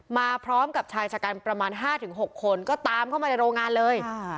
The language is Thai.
มาพร้อมกับชายจักรประมาณห้าถึงหกคนก็ตามเข้ามาในโรงงานเลย